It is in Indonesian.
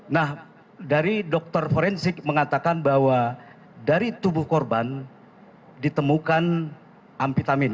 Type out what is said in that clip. nah dari dokter forensik mengatakan bahwa dari tubuh korban ditemukan amvitamin